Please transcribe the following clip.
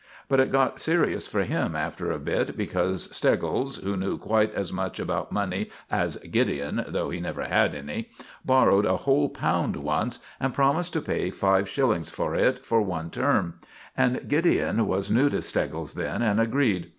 But it got serious for him after a bit, because Steggles, who knew quite as much about money as Gideon (though he never had any), borrowed a whole pound once, and promised to pay five shillings for it for one term; and Gideon was new to Steggles then, and agreed.